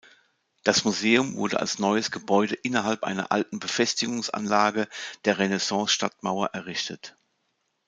Das Museum wurde als neues Gebäude innerhalb einer alten Befestigungsanlage der Renaissance-Stadtmauer errichtet.